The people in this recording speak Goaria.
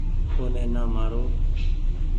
اوني نآ مآرو ۔